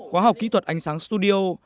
quá học kỹ thuật ánh sáng studio